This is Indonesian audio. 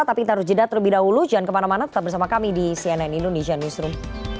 tapi kita harus jeda terlebih dahulu jangan kemana mana tetap bersama kami di cnn indonesia newsroom